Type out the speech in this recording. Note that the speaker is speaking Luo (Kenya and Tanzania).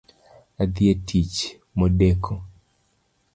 Adhi e tich modeko